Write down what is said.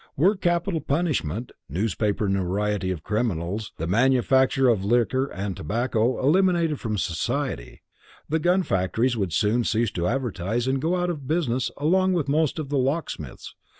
Were capital punishment, newspaper notoriety of criminals, the manufacture of liquor and tobacco eliminated from society, the gun factories would soon cease to advertise and go out of business along with most of the locksmiths.